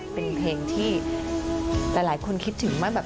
เป็นสิ่งที่หลายคนคิดถึงมาก